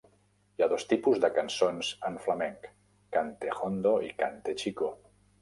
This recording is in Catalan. Hi ha dos tipus de cançons en flamenc: "cante jondo" i "cante chico".